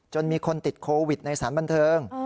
มีคนติดโควิดในสารบันเทิง